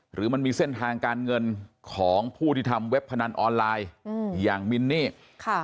หรือมันมีเส้นทางการเงินของผู้ที่ทำเว็บพนันออนไลน์อืมอย่างมินนี่ค่ะ